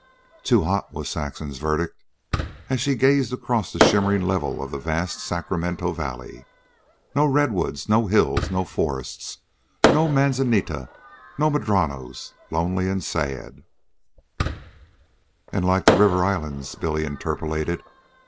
"Too hot," was Saxon's verdict, as she gazed across the shimmering level of the vast Sacramento Valley. "No redwoods. No hills. No forests. No manzanita. No madronos. Lonely, and sad " "An' like the river islands," Billy interpolated.